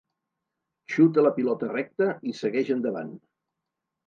Xuta la pilota recta i segueix endavant.